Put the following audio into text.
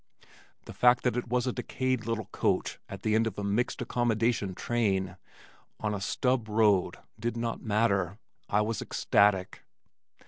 The fact that it was a decayed little coach at the end of a "mixed accommodation train" on a stub road did not matter. I was ecstatic.